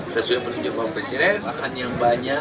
sesuai perhubungan presiden lahan yang banyak